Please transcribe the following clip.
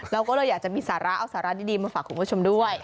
เราก็เลยอยากจะมีสาระเอาสาระดีมาฝากคุณผู้ชมด้วย